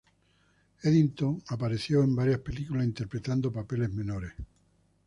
Eddington apareció en varias películas interpretando papeles menores.